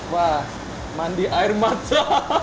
wah mandi air mata